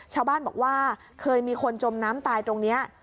ชาวบ้านบอกว่าเคยมีคนจมน้ำตายตรงนี้